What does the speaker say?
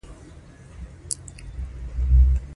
د کلي پر لویه تنګاچه کلیوال را ټول شوي وو.